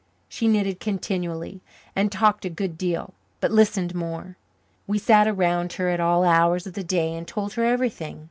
She knitted continually and talked a good deal, but listened more. We sat around her at all hours of the day and told her everything.